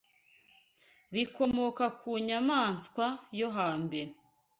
rikomoka ku nyamaswa yo hambere